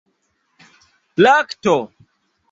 lakto